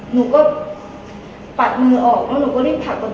หนูก็ปัดมือก็เลยถักกันโดดมาเลย